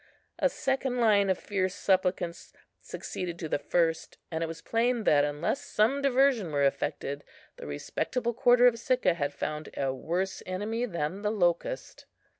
A second line of fierce supplicants succeeded to the first; and it was plain that, unless some diversion were effected, the respectable quarter of Sicca had found a worse enemy than the locust.